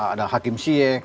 ada hakim syekh